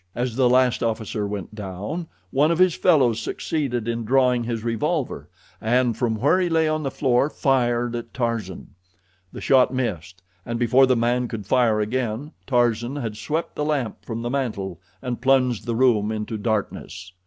As the last officer went down, one of his fellows succeeded in drawing his revolver and, from where he lay on the floor, fired at Tarzan. The shot missed, and before the man could fire again Tarzan had swept the lamp from the mantel and plunged the room into darkness.